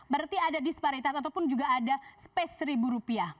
berarti ada disparitas ataupun juga ada space seribu rupiah